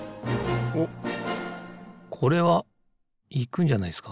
おっこれはいくんじゃないですか